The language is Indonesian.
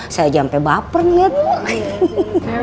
saya aja sampe baper nih